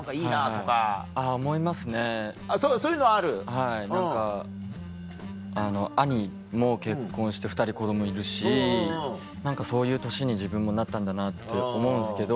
はい何かあの兄も結婚して２人子供いるしそういう年に自分もなったんだなって思うんですけど。